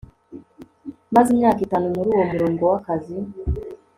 Maze imyaka itanu muri uwo murongo wakazi